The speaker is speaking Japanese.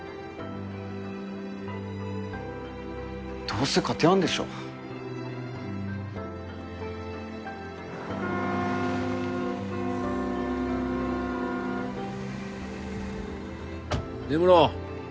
どうせ勝てやんでしょ根室